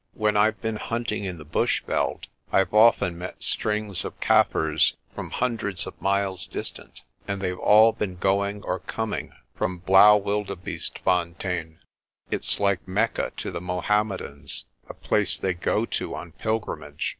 When Pve been hunting in the bush veld Pve often met strings of Kaffirs from hundreds of miles distant, and they've all been going or coming from Blaauwildebeestefontein. It's like Mecca to the Mohammedans, a place they go to on pil grimage.